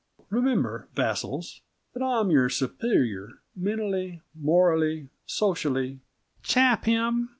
Remember, vassals, that I'm your superior, mentally, morally, socially " "Chap him!"